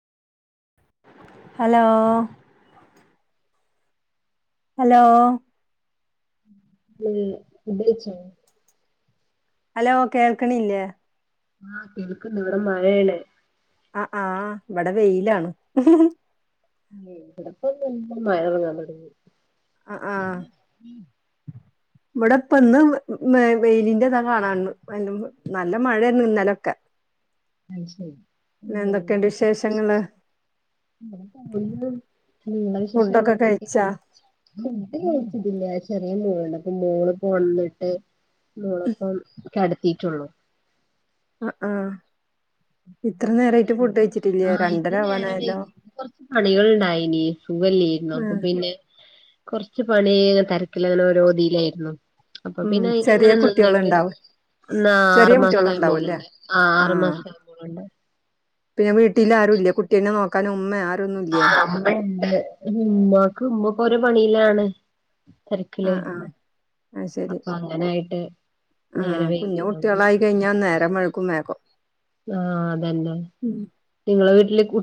Hello? Hello. ഉം ഫുഡ്‌കഴിച്ചോ? Hello കേൾക്കണില്ലേ? ആ കേൾക്കുന്നു ഇവടെ മഴയാണ്. ആ ആ ഇവടെ വെയിലാണ്. ഉം ഇവിടെപ്പം മഴ പെയ്യാൻ തുടങ്ങി [unintelligible] ഇവടപ്പന്ന് വെയിലിന്റെതാ കാണാന്ന് [unintelligible] നല്ല മഴരുന്നു ഇന്നലൊക്കെ. അത് ശരി പിന്ന എന്തക്കെണ്ട് വിശേഷങ്ങള്? [unintelligible] ഇങ്ങളെ ഫുഡൊക്കെ കഴിച്ചാ വിശേഷങ്ങളൊക്കെതന്നെയാ ഫുഡ്‌ കഴിച്ചിട്ടില്ല ചെറിയ മോൾണ്ട് അപ്പ മോളിപ്പ ഒണന്നിട്ട് മോളപ്പം കെടത്തിട്ടുള്ളൂ. ആ ആ ഇത്ര നേരമായിട്ട് ഫുഡ് കഴിച്ചിട്ടില്ലേ ആ രണ്ടര ഇന്ന് നേരം ആവാനായല്ലോ വൈകി കൊറച്ച് പണികളിണ്ടായിനി. ലീവല്ലിരുന്നോ ആ, അപ്പ പിന്നെ കൊറച്ച് പണിന്റെ തെരക്കിലാണോരോതിലായിരുന്നു. അപ്പ ഉം പിന്നെ ചെറിയ അയിലങ്ങനെ നിന്നിട്ട് കുട്ടികളുണ്ടാവും ചെറിയ ന്നാറുമാസായ കുട്ടികളുണ്ടാവും അല്ലേ മോള്ണ്ട് ആ ആറ് മാസായ മോള്ണ്ട്. പിന്നെ വീട്ടിലാരുല്ലേ കുട്ടീനെ നോക്കാനും ഉമ്മയെ ആ ആ ഉമ്മെണ്ട് ഉമ്മാക്ക്‌ ഉമ്മക്കോരോ പണിയിലാണ്. ആ തെരക്കിലേ ആ അത് ശരി അപ്പൊ അങ്ങനായിട്ട് ആ നേരം കുഞ്ഞ് വൈകിയതാണ് കുട്ടികളായി കഴിഞ്ഞാ നേരം വൈകും വേകം. ആ അതന്നെ നിങ്ങളെ വീട്ടില് കു